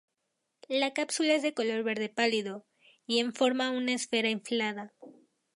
La cápsula es de color verde pálido, y en forma una esfera inflada.